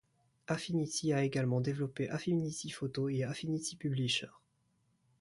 Affinity a également développé Affinity Photo et Affinity Publisher.